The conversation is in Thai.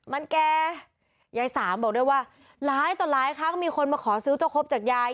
มันแก่ยายสามบอกด้วยว่าหลายต่อหลายครั้งมีคนมาขอซื้อเจ้าครบจากยาย